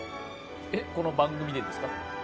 この番組でですか？